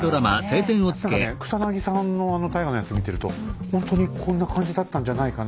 何かね草さんのあの大河のやつ見てるとほんとにこんな感じだったんじゃないかな。